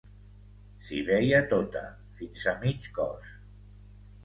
S'hi veia tota, fins a mig cos